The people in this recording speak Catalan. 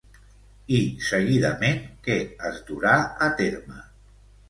I seguidament què es durà a terme?